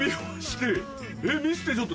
見してちょっと。